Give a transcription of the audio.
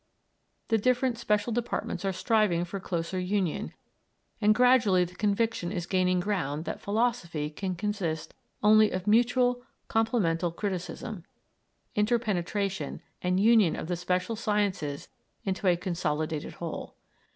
The different special departments are striving for closer union, and gradually the conviction is gaining ground that philosophy can consist only of mutual, complemental criticism, interpenetration, and union of the special sciences into a consolidated whole.